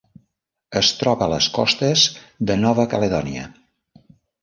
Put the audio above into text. Es troba a les costes de Nova Caledònia.